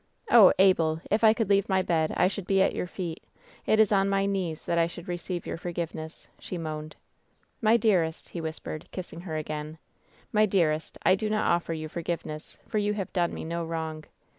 "Oh, Abel ! if I could leave my bed — I should be at your feet ! It is on my knees that I should receive your forgiveness," she moaned. "My dearest," he whispered, kissing her again — ^''my WHEN SHADOWS DEE 861 Nearest, I do not offer you forgiveness, for you have done me no wrong."